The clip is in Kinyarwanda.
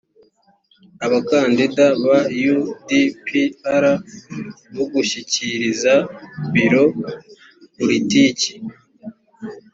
abakandida ba u d p r bo gushyikiriza biro politiki